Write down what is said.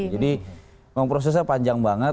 jadi prosesnya panjang banget